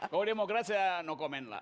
kalau demokrasi ya no comment lah